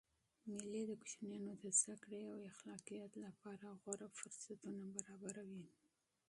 مېلې د کوچنيانو د زدکړي او خلاقیت له پاره غوره فرصتونه برابروي.